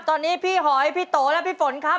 ตอนนี้พี่หอยพี่โตและพี่ฝนครับ